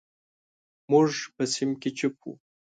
موږ په صنف کې چپ وو.